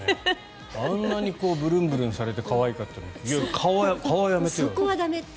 あんなにブルンブルンされて可愛かったのに顔はやめてよって。